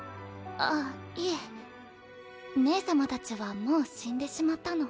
あっいえ姉様たちはもう死んでしまったの。